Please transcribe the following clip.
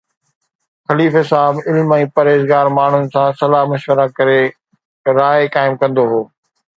خليفي صاحب علم ۽ پرهيزگار ماڻهن سان صلاح مشورا ڪري راءِ قائم ڪندو هو